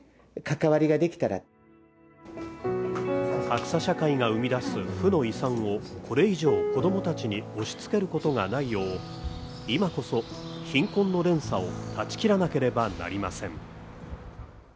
格差社会が生み出す負の遺産をこれ以上、子供たちに押しつけることがないよう今こそ貧困の連鎖を断ち切らなければなりません。